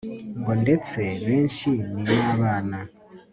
Ngo ndetse benshi ni nabana